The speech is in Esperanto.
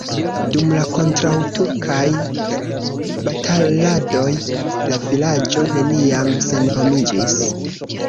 Dum la kontraŭturkaj bataladoj la vilaĝo neniam senhomiĝis.